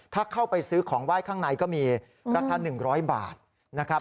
ถ้าเข้าไปซื้อของไหว้ข้างในก็มีราคา๑๐๐บาทนะครับ